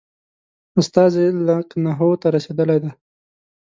استازی لکنهو ته رسېدلی دی.